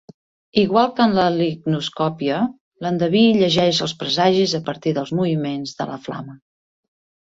Igual que en la licnoscòpia, l'endeví llegeix els presagis a partir dels moviments de la flama.